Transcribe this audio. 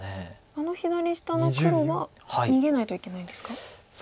あの左下の黒は逃げないといけないんですか？